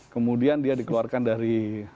kemudian dia dikeluarkan dari